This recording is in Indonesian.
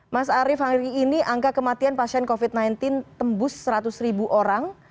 mas arief hari ini angka kematian pasien covid sembilan belas tembus seratus ribu orang